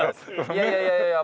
いやいやいやいや。